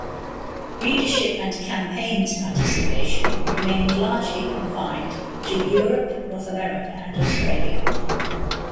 Readership and campaigns participation remained largely confined to Europe, North America and Australia.